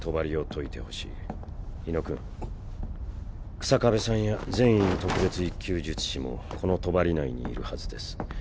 日下部さんや禪院特別１級術師もこの帳内にいるはずです。